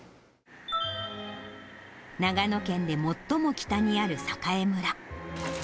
長野県で最も北にある栄村。